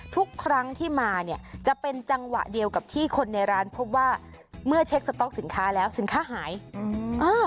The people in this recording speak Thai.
ทุกครั้งที่มาเนี่ยจะเป็นจังหวะเดียวกับที่คนในร้านพบว่าเมื่อเช็คสต๊อกสินค้าแล้วสินค้าหายอืมอ่า